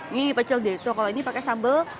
ini pecel deso kalau ini pakai sambel